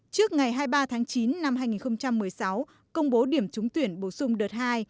trước ngày hai mươi ba tháng chín năm hai nghìn một mươi sáu công bố điểm trúng tuyển bổ sung đợt hai